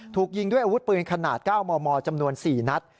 ถูกยิงด้วยอาวุธปืนขนาด๙มมจำนวน๔นัด